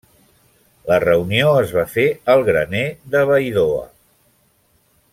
La reunió es va fer al graner de Baidoa.